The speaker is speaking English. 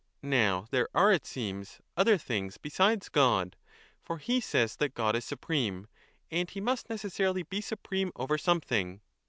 Now there are, it seems, other things besides God ; for he says that God is supreme, and he must neces sarily be supreme over something.